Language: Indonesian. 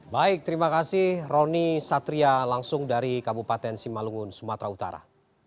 baik terima kasih roni satria langsung dari kabupaten simalungun sumatera utara